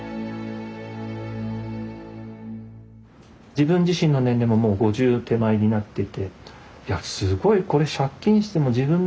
自分自身の年齢ももう５０手前になっていていやすごいこれ借金しても自分の人生